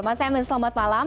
mas emil selamat malam